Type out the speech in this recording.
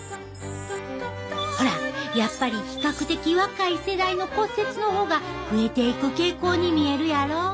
ほらやっぱり比較的若い世代の骨折の方が増えていく傾向に見えるやろ。